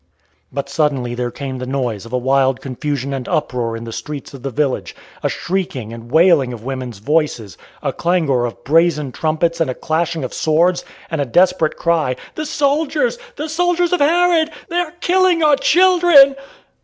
But suddenly there came the noise of a wild confusion and uproar in the streets of the village, a shrieking and wailing of women's voices, a clangor of brazen trumpets and a clashing of swords, and a desperate cry: "The soldiers! the soldiers of Herod! They are killing our children."